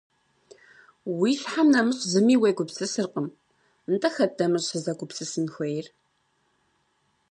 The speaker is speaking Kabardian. -Уи щхьэм нэмыщӏ зыми уегупсысыркъым. – Нтӏэ хэт нэмыщӏ сызэгупсысын хуейр?